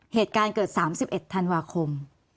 เหตุการณ์เกิด๓๑ธันวาคม